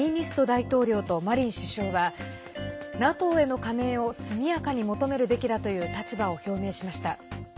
大統領とマリン首相はＮＡＴＯへの加盟を速やかに求めるべきだという立場を表明しました。